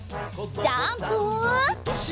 ジャンプ！